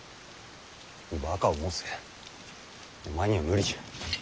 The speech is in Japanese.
バカを申せお前には無理じゃ。